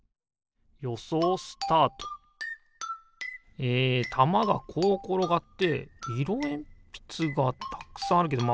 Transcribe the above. よそうスタート！えたまがこうころがっていろえんぴつがたくさんあるけどま